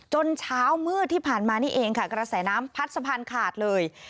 เช้ามืดที่ผ่านมานี่เองค่ะกระแสน้ำพัดสะพานขาดเลย